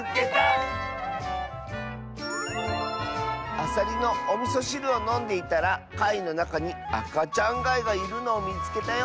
「アサリのおみそしるをのんでいたらかいのなかにあかちゃんがいがいるのをみつけたよ」。